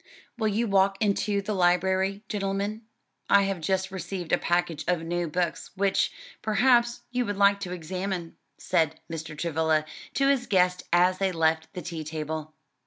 "Will you walk into the library, gentlemen? I have just received a package of new books, which, perhaps, you would like to examine," said Mr. Travilla to his guests as they left the tea table.